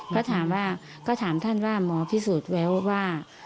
ก็ถามว่าก็ถามท่านว่าหมอพิสูจน์ไว้ว่า